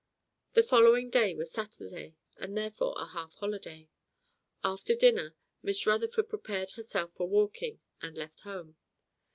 The following day was Saturday, and therefore a half holiday. After dinner, Miss Rutherford prepared herself for walking, and left home.